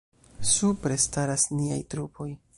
Supre staras niaj trupoj.